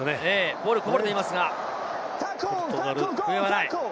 ボールがこぼれていますが、笛はない。